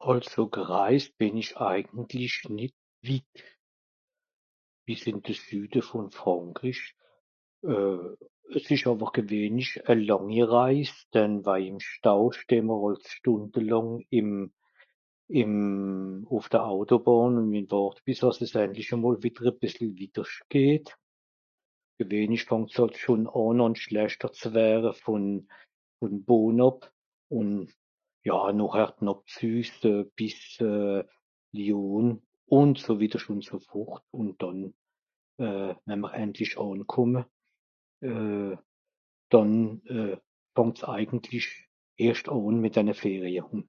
En fait je n'ai pas fait de voyage lointain Je vais dans le sud de la France mais c'est tout de même un long voyage car on reste bloqué des heures dans les bouchons sur l'autoroute jusqu'à ce que la circulation reprenne. Souvent ça devient compliqué dès Beaune jusqu'à Lyon et quand on arrive enfin, c'est là que les vacances commencent seulement